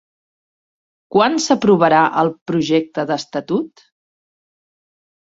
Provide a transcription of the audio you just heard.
Quan s'aprovarà el projecte d'estatut?